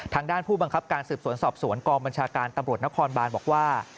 ทางด้านผู้บังคับการสืบสวนสอบสวนกองบัญชาการตำรวจนครบานบอกว่า